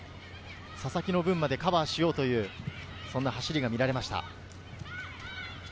佐々木の分までカバーしようという走りが見られました。